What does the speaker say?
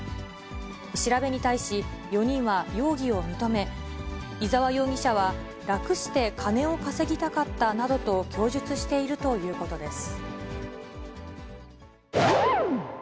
調べに対し、４人は容疑を認め、居沢容疑者は、楽して金を稼ぎたかったなどと、供述しているということです。